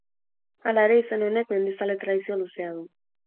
Hala ere, izen honek, mendizale tradizio luzea du.